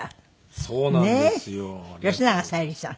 吉永小百合さん。